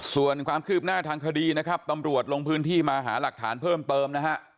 ส่วนความคืบหน้าทางคดีนะครับตำรวจลงพื้นที่มาหาหลักฐานเพิ่มเติมนะฮะ